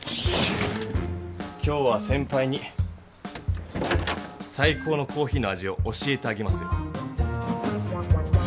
今日はせんぱいにさい高のコーヒーの味を教えてあげますよ。